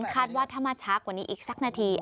คาดว่าถ้ามาช้ากว่านี้อีกสักนาที